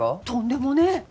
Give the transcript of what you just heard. とんでもねえ。